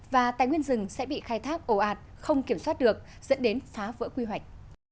và tài nguyên rừng sẽ bị khai thác ồ ạt không kiểm soát được dẫn đến phá vỡ quy hoạch